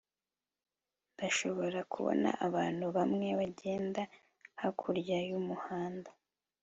Ndashobora kubona abantu bamwe bagenda hakurya yumuhanda